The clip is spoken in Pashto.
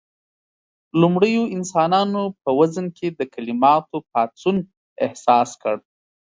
لومړيو انسانانو په وزن کې د کليماتو پاڅون احساس کړ.